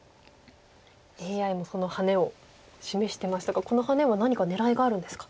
ＡＩもそのハネを示してましたがこのハネは何か狙いがあるんですか。